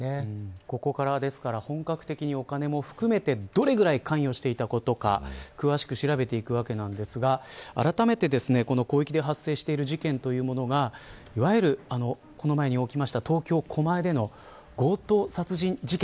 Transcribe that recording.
ここから本格的にお金も含めてどれぐらい関与していたのか詳しく調べていくわけなんですがあらためて広域で発生している事件がいわゆる東京、狛江で起きた強盗殺人事件。